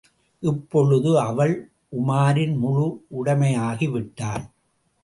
இப்பொழுது, அவள் உமாரின் முழு உடைமையாகி விட்டாள்.